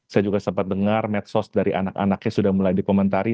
saya juga sempat dengar medsos dari anak anaknya sudah mulai dikomentari